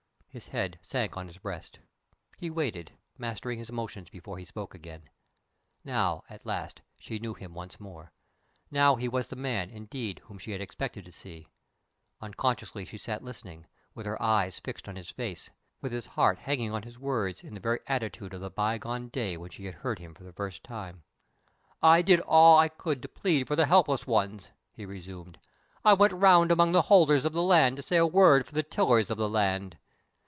His head sank on his breast. He waited mastering his emotion before he spoke again. Now, at last, she knew him once more. Now he was the man, indeed, whom she had expected to see. Unconsciously she sat listening, with her eyes fixed on his face, with his heart hanging on his words, in the very attitude of the by gone day when she had heard him for the first time! "I did all I could to plead for the helpless ones," he resumed. "I went round among the holders of the land to say a word for the tillers of the land.